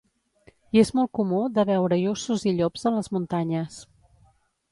Hi és molt comú de veure-hi ossos i llops a les muntanyes.